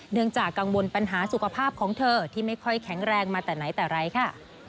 จากกังวลปัญหาสุขภาพของเธอที่ไม่ค่อยแข็งแรงมาแต่ไหนแต่ไรค่ะ